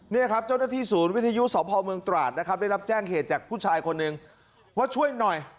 นี่ครับเจ้าหน้าที่ศูนย์วิทยุสพเมืองตราดนะครับได้รับแจ้งเหตุจากผู้ชายคนหนึ่งว่าช่วยหน่อย